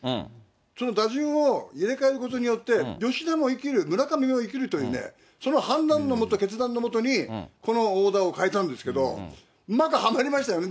その打順を入れ替えることによって、吉田も生きる、村上も生きるというね、その判断の下、決断の下にこのオーダーをかえたんですけど、またはまりましたよね。